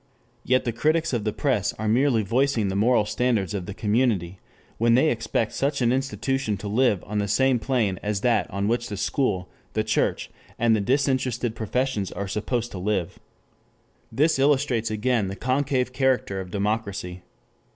Yet the critics of the press are merely voicing the moral standards of the community, when they expect such an institution to live on the same plane as that on which the school, the church, and the disinterested professions are supposed to live. This illustrates again the concave character of democracy.